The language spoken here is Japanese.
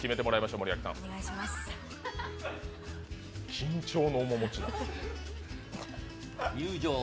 緊張の面持ち。